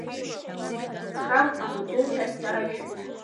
Шагә амаҵурҭахь дааихьан.